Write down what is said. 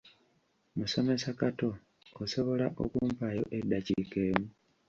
Musomesa Kato osobola okumpaayo eddakiika emu?